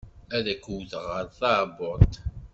Ad k-wteɣ ar tɛebbuḍt.